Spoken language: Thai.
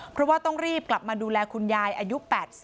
เพราะว่าต้องรีบกลับมาดูแลคุณยายอายุ๘๐